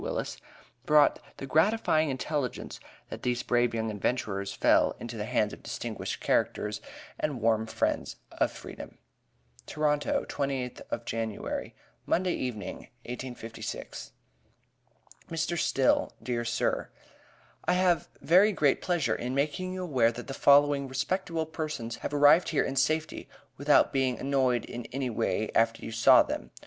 Willis, brought the gratifying intelligence that these brave young adventurers, fell into the hands of distinguished characters and warm friends of Freedom: TORONTO, 28th January, Monday evening, 1856. MR. STILL, DEAR SIR: I have very great pleasure in making you aware that the following respectable persons have arrived here in safety without being annoyed in any way after you saw them.